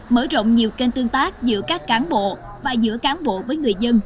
mở rộng nhiều kênh tương tác giữa các cán bộ và giữa cán bộ với người dân